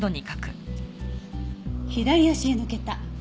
左足へ抜けた。